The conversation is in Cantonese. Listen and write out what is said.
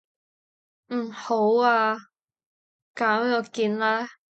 嗯好啊，晏啲見啦